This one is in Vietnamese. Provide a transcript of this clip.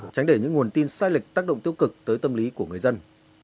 tránh để những nguồn tin sai lệch tác động tiêu cực tới tâm lý của người dân